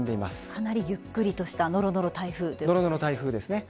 かなりゆっくりとしたノロノロ台風ですね。